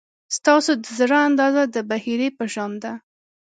ستاسو د زړه اندازه د بحیرې په شان ده.